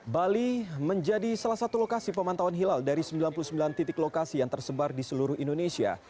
bali menjadi salah satu lokasi pemantauan hilal dari sembilan puluh sembilan titik lokasi yang tersebar di seluruh indonesia